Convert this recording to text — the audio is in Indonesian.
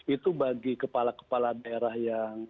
itu bagi kepala kepala daerah yang